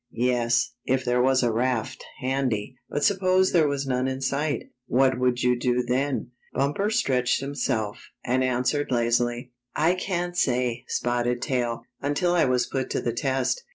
" Yes, if there was a raft handy. But suppose there was none in sight. What would you do then?" Bumper stretched himself, and answered laz ily: "I can't say, Spotted Tail, until I was put to the test.